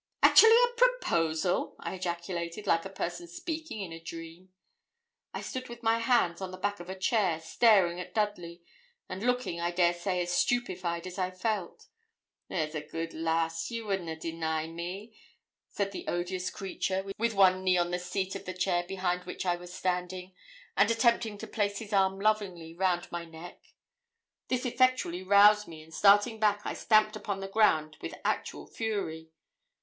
'Actually a proposal!' I ejaculated, like a person speaking in a dream. I stood with my hand on the back of a chair, staring at Dudley; and looking, I dare say, as stupefied as I felt. 'There's a good lass, ye would na deny me,' said the odious creature, with one knee on the seat of the chair behind which I was standing, and attempting to place his arm lovingly round my neck. This effectually roused me, and starting back, I stamped upon the ground with actual fury.